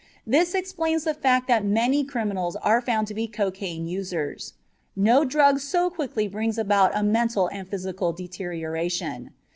This explains the fact that many criminals are found to be cocaine users. No drug so quickly brings about a mental and physical deterioration.